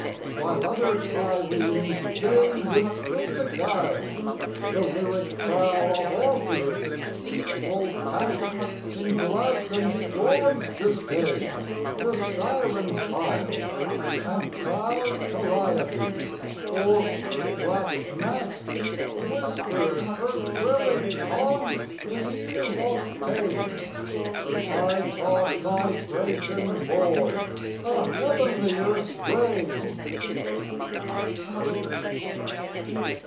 While other triremes vain withstood the guile, The lyric prow of Orpheus easeful past In gladsome scorn's disdain the Sirens' Isle; And proud Calliope o'er each black mast Whispered her thrilling taunt in ears of pain: "I taught my Thracian boy a heavenlier strain!"